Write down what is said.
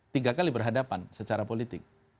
tiga kali berhadapan secara politik